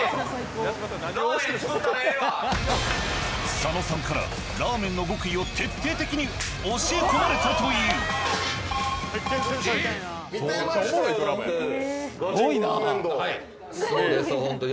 佐野さんからラーメンの極意を徹底的に教え込まれたというすごいですほんとに。